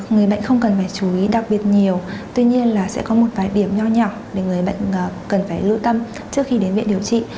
người bệnh không cần phải chú ý đặc biệt nhiều tuy nhiên là sẽ có một vài điểm nhỏ nhỏ nhỏ để người bệnh cần phải lưu tâm trước khi đến viện điều trị